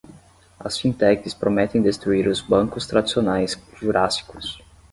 As fintechs prometem destruir os bancos tradicionais jurássicos